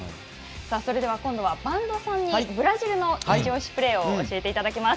今度は播戸さんにブラジルのイチオシプレーを教えていただきます。